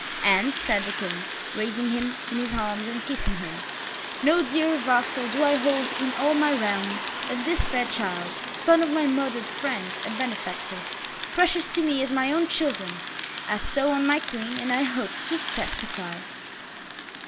"And," said the King, raising him in his arms and kissing him, "no dearer vassal do I hold in all my realm than this fair child, son of my murdered friend and benefactor precious to me as my own children, as so on my Queen and I hope to testify."